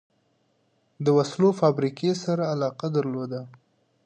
د وسلو فابریکې سره علاقه درلوده.